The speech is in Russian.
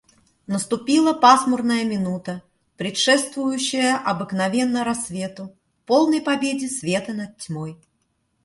Наступила пасмурная минута, предшествующая обыкновенно рассвету, полной победе света над тьмой.